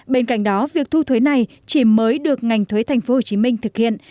bên cạnh đó việc thu thuế này chỉ mới được ngành thuế thành phố hồ chí minh thực hiện